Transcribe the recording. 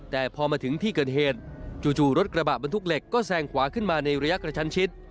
แต่พอมาถึงที่เกิดเหตุจู่รถกระบะบรรทุกเหล็กก็แซงขวาขึ้นมาในระยะกระชั้นชิด